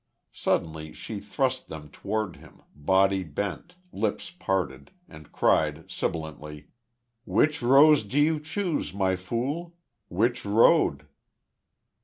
Suddenly she thrust them toward him, body bent, lips parted, and cried, sibilantly: "Which rose do you choose, My Fool? Which Road?"